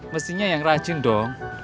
mestinya yang rajin dong